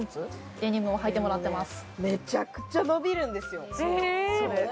デニムをはいてもらってます